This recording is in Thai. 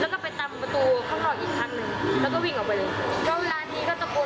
เขาก็หันมานึกว่าจะวิ่งมาหาลูกหนู